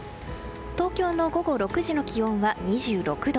東京の午後６時の気温は２６度。